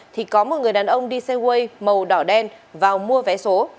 thì có một người đàn ông đi xe way màu đỏ đen vào mua vé số